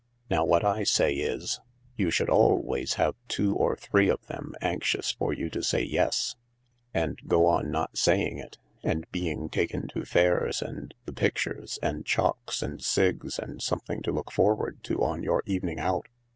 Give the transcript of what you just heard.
Now what I say is, you should always have two or three of them anxious for you to say ' Yes,' and go on not saying it, and being taken to fairs and the pictures, and chocs, and cigs. andsome thing to look forward to on your evening out.